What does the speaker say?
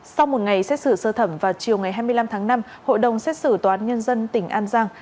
sau một ngày xét xử sơ thẩm vào chiều ngày hai mươi năm tháng năm hội đồng xét xử tòa án nhân dân tỉnh an giang